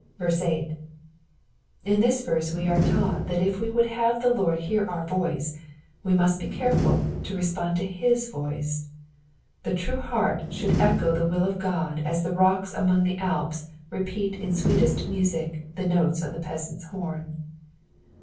8.' In this verse we are taught that if we would have the Lord hear our voice, we must be careful to respond to hit voice. The true heart should echo the will of Ood as the rocks among the Alps repeat in sweetest music the notes of the peasant's horn.